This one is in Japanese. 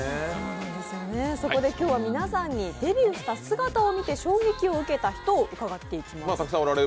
そこで今日は皆さんにデビューした姿を見て衝撃を受けた方を伺っていきます。